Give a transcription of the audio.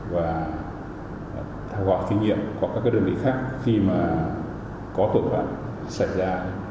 và thao hỏi kinh nghiệm của các đơn vị khác khi mà có tội phạm xảy ra